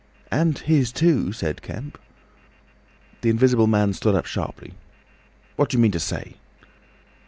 "And his too," said Kemp. The Invisible Man stood up sharply. "What do you mean to say?"